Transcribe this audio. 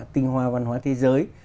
tinh hoa văn hóa thế giới